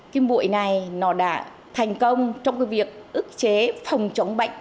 cái bụi này nó đã thành công trong cái việc ức chế phòng chống bệnh